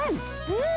うん！